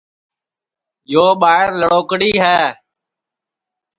یو ٻائیر لڑوکڑی ہے